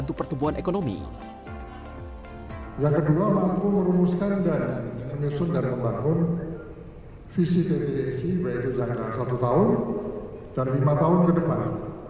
yaitu jangka satu tahun dan lima tahun ke depan